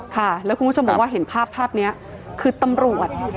ค่ะแล้วคุณผู้ชมบอกว่าเห็นภาพภาพนี้คือตำรวจ